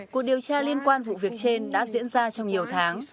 cuộc điều tra liên quan vụ việc trên đã diễn ra trong nhiều tháng